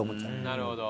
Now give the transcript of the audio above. なるほど。